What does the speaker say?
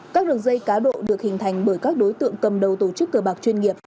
các đường dây cá độ được hình thành bởi các đối tượng cầm đầu tổ chức cờ bạc chuyên nghiệp